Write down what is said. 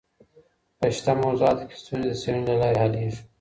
په شته موضوعاتو کي ستونزي د څېړني له لاري حلېږي.